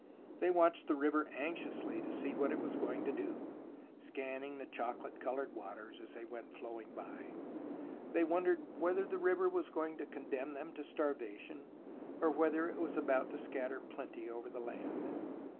They watched the river anxiously to see what it was going to do, scanning the chocolate coloured waters as they went flowing by. They wondered whether the river was going to condemn them to starvation, or whether it was about to scatter plenty over the land.